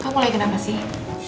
kamu lagi kenapa sih